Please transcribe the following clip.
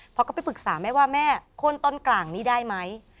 พอก็ไปปรึกษาแม่ว่าแม่โค้นต้นกลางนี้ได้ไหม